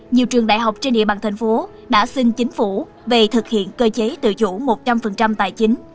nhiều trường đại học trên địa bàn thành phố đã xin chính phủ về thực hiện cơ chế tự chủ một trăm linh tài chính